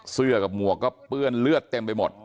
เสื้อกับหมวกก็เปื้อนเลือดเต็มไปหมด